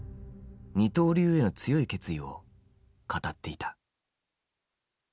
二刀流への強い決意を語っていた。